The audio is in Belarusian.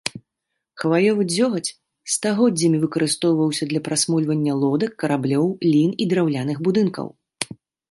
Хваёвы дзёгаць стагоддзямі выкарыстоўваўся для прасмольвання лодак, караблёў, лін і драўляных будынкаў.